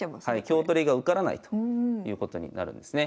香取りが受からないということになるんですね。